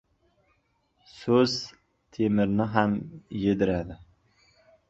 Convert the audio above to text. • So‘z temirni ham eritadi.